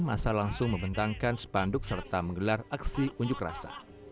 masa langsung membentangkan sepanduk serta menggelar aksi unjuk rasa